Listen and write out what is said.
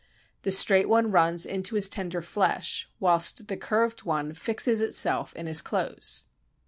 The straight one runs into his tender flesh, whilst the curved one fixes itself in his clothes.